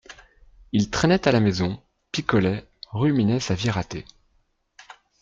il traînait à la maison, picolait, ruminait sa vie ratée